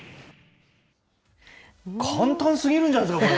簡単すぎるんじゃないですか、これ。